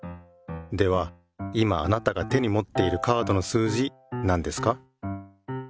では今あなたが手にもっているカードの数字なんですか？